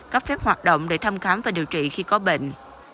cấp phép hoạt động để thăm khám và điều trị khi có bệnh